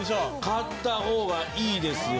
買った方がいいですよ。